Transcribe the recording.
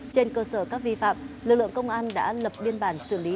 trên cơ sở các vi phạm lực lượng công an đã lập biên bản xử lý